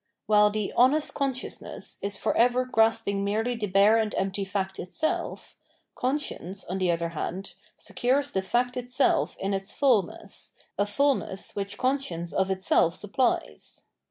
While the " honest consciousness " is for ever grasping merely the bare and empty " fact itself," conscience, on the other hand, secures the " fact itself " in its fullness, a fullness which conscience of itseK supplies.